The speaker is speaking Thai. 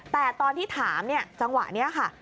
แต่ตอนที่ถามเนี่ยจังหวะนี้ค่ะ